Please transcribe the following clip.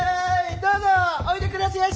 どうぞおいでくだせやし！